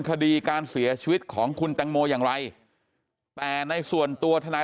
คดีการเสียชีวิตของคุณแตงโมอย่างไรแต่ในส่วนตัวทนาย